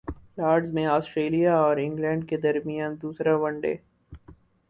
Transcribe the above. Lords میں Australia اور England کے درمیان دوسرا ون ڈے